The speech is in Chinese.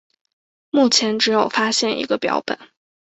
目前只有发现一个标本。